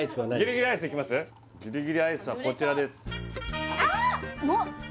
ギリギリアイスはこちらですあっ！